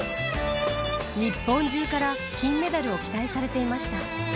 日本中から金メダルを期待されていました。